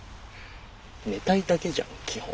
寝たいだけじゃん基本。